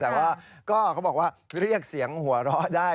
แต่ว่าก็เขาบอกว่าเรียกเสียงหัวเราะได้